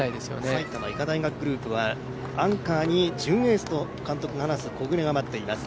埼玉医科大学グループはアンカーに準エースと話す木榑が待っています。